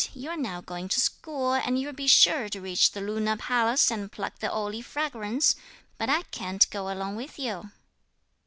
you're now going to school and you'll be sure to reach the lunar palace and pluck the olea fragrans; but I can't go along with you."